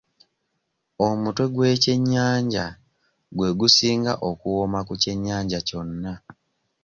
Omutwe gw'ekyennyanja gwe gusinga okuwoma ku kyennyanja kyonna.